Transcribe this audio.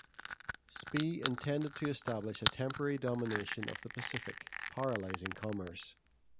Spee intended to establish a temporary domination of the Pacific, paralysing commerce.